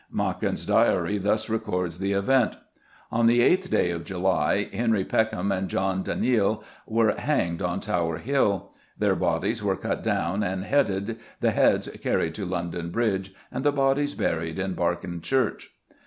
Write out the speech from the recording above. Machin's Diary thus records the event: "On the eighth day of July, Henry Peckham and John Daneel were hanged on Tower Hill. Their bodies were cut down and headed, the heads carried to London Bridge and the bodies buried in Barkin church."